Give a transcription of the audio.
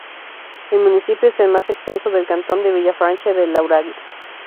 El municipio es el más extenso del cantón de Villefranche-de-Lauragais.